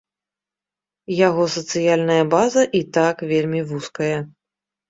Яго сацыяльная база і так вельмі вузкая.